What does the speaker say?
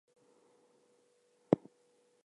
It was used in the same way as the clay figure.